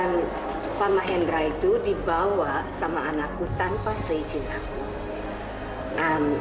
dan pak mahendra itu dibawa sama anakku tanpa sejilaku